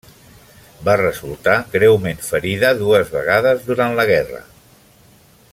Va resultar greument ferida dues vegades durant la guerra.